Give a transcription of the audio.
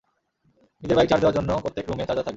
নিজের bike charge দেওয়ার জন্য প্রত্যক রুমে চার্জার থাকবে।